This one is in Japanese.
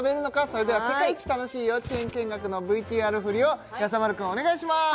それでは世界一楽しい幼稚園見学のＶＴＲ振りをやさ丸くんお願いします